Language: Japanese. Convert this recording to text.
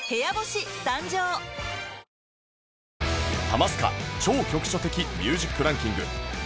ハマスカ超局所的ミュージックランキング